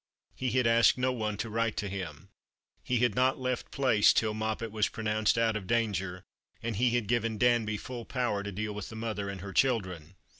He had asked no one to write to him. He had not left Place till Moppet was pronounced out of danger ; and he had given Danby full power to deal with the mother and her children.